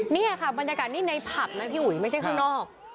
นี่ค่ะบรรยากาศนี้ในผับนะพี่อุ๋ยไม่ใช่ข้างนอก